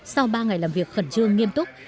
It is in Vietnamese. sau ba ngày làm việc khẩn trương nghiêm túc